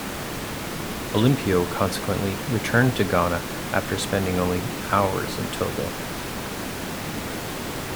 Olympio consequently returned to Ghana after spending only hours in Togo.